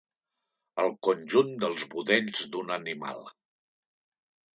El conjunt dels budells d'un animal.